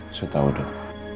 ya saya tahu dok